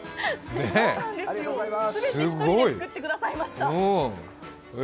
そうなんです、全て１人で作ってくださいました。